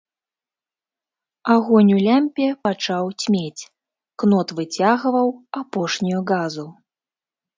Агонь у лямпе пачаў цьмець, кнот выцягваў апошнюю газу.